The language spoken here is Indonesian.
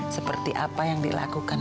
seperti apa yang dilakukan